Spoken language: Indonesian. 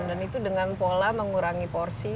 dan itu dengan pola mengurangi porsi